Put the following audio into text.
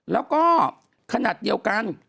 แล้วก็ขนาดเดียวกัน